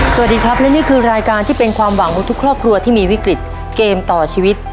สวัสดีครับและนี่คือรายการที่เป็นความหวังของทุกครอบครัวที่มีวิกฤตเกมต่อชีวิต